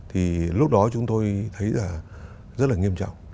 thì lúc đó chúng tôi thấy là rất là nghiêm trọng